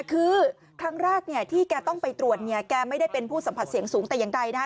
คือครั้งแรกเนี่ยที่แกต้องไปตรวจเนี่ยแกไม่ได้เป็นผู้สัมผัสเสียงสูงแต่อย่างใดนะฮะ